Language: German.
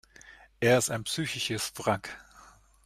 Er ist ein psychisches Wrack.